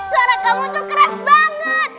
suara kamu tuh keras banget